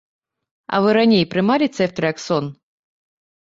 А вы раней прымалі цэфтрыаксон?